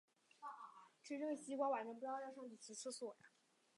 林肯镇区为美国堪萨斯州马歇尔县辖下的镇区。